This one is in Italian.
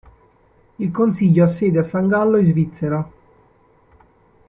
Il Consiglio ha sede a San Gallo in Svizzera.